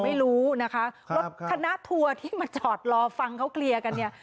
ไม่รู้นะคะรถคณะทัวร์ที่มาจอดรอฟังเขาเคลียร์กันเนี่ย